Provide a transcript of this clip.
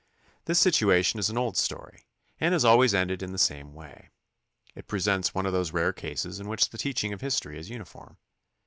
This situation is an old story and has always ended in the same way. It presents one of those rare cases in which the teaching of history is uniform.